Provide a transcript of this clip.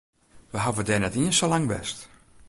We hawwe dêr net iens sa lang west.